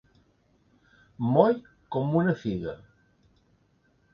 Moll com una figa.